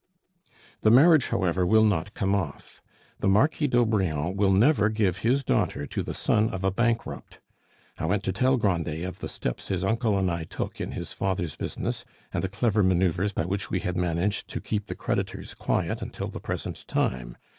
The marriage, however, will not come off. The Marquis d'Aubrion will never give his daughter to the son of a bankrupt. I went to tell Grandet of the steps his uncle and I took in his father's business, and the clever manoeuvres by which we had managed to keep the creditor's quiet until the present time.